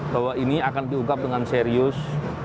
bahwa ini akan diungkap dengan serius